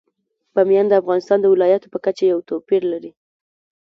بامیان د افغانستان د ولایاتو په کچه یو توپیر لري.